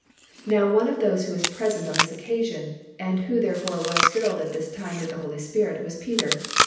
Now one of those who was present on this occasion and who therefore was filled at this time with the Holy Spirit was Peter.